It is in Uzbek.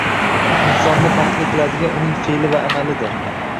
Insonni baxtli qiladigan uning fe`li va amalidir